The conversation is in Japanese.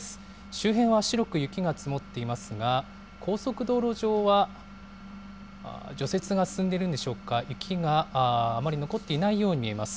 周辺は白く雪が積もっていますが、高速道路上は除雪が進んでいるんでしょうか、雪があまり残っていないように見えます。